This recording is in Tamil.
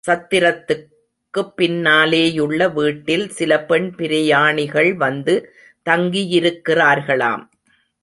சத்திரத்துக்குப் பின்னாலேயுள்ள வீட்டில் சில பெண் பிரயாணிகள் வந்து தங்கியிருக்கிறார்களாம்.